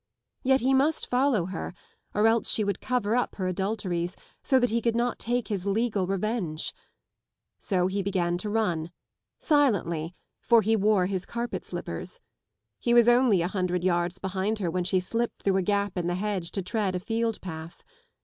Yet he must follow her, or else she would cover up her adulteries so that he could not take his legal revenge. So he began to run ŌĆö silently, for he wore his carpet slippers. He was only a hundred yards behind her when she slipped through 3 gap in the hedge to tread a field path.